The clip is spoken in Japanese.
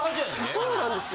そうなんですよ。